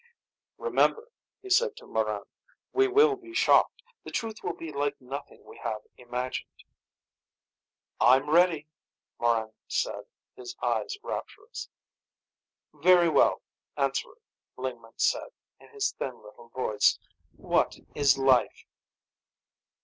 "Remember," he said to Morran, "We will be shocked. The truth will be like nothing we have imagined." "I'm ready," Morran said, his eyes rapturous. "Very well. Answerer," Lingman said, in his thin little voice, "What is life?"